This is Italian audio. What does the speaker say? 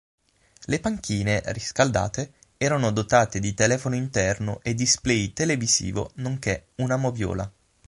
Le panchine, riscaldate, erano dotate di telefono interno e display televisivo nonché una moviola.